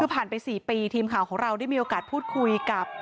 คือผ่านไป๔ปีทีมข่าวของเราได้มีโอกาสพูดคุยกับ